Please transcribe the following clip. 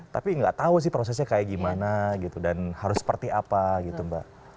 tapi nggak tahu sih prosesnya kayak gimana gitu dan harus seperti apa gitu mbak